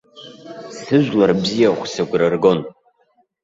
Сыжәлар бзиахә сыгәра ргон.